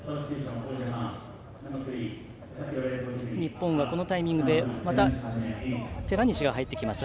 日本はこのタイミングでまた寺西が入りました。